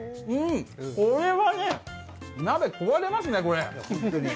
これはね、鍋、壊れますね、これ。